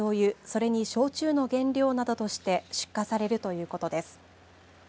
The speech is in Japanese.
それに焼酎の原料などとして出荷されるということです。